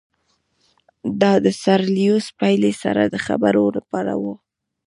دا د سر لیویس پیلي سره د خبرو لپاره وو.